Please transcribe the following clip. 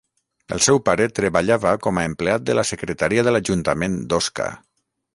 El seu pare treballava com a empleat de la Secretaria de l'Ajuntament d'Osca.